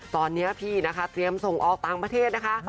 ตอนนี้พี่นะคะเตรียมส่งออกต่างประเทศนะคะ